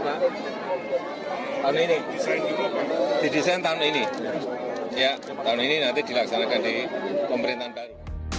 tahun ini didesain tahun ini ya tahun ini nanti dilaksanakan di pemerintahan baru